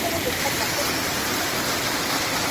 • په سينو کې توپانونه -